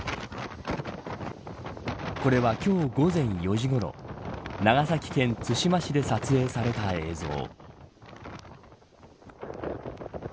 これは今日、午前４時ごろ長崎県対馬市で撮影された映像。